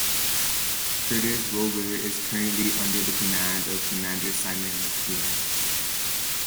"Curtis Wilbur" is currently under the command of Commander Simon McKeon.